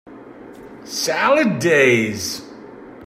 Salad days